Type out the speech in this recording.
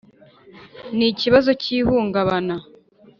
n ikibazo cy ihungabana